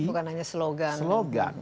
bukan hanya slogan